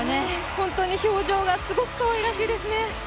本当に表情がすごくかわいらしいですよね。